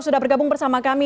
sudah bergabung bersama kami